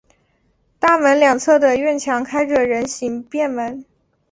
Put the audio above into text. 大门两侧的院墙开着人行便门。